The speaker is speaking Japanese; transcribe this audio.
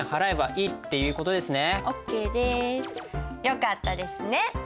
よかったですね。